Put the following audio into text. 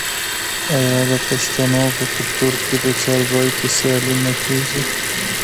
آیا د پښتنو په کلتور کې د چاربیتیو سیالي نه کیږي؟